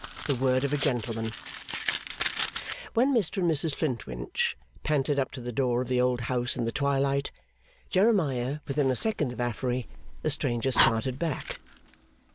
The Word of a Gentleman When Mr and Mrs Flintwinch panted up to the door of the old house in the twilight, Jeremiah within a second of Affery, the stranger started back.